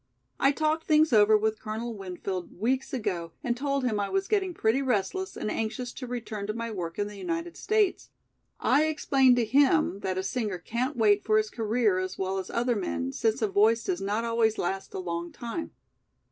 I talked things over with Colonel Winfield weeks ago and told him I was getting pretty restless and anxious to return to my work in the United States. I explained to him that a singer can't wait for his career as well as other men, since a voice does not always last a long time.